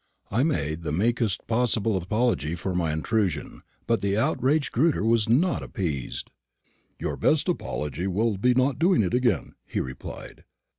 I made the meekest possible apology for my intrusion, but the outraged Grewter was not appeased. "Your best apology will be not doing it again," he replied.